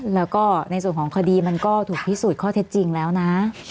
แล้วก็ในส่วนของคดีมันก็ถูกพิสูจน์ข้อเท็จจริงแล้วนะ